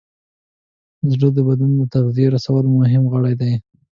زړه د بدن د تغذیې رسولو مهم غړی دی.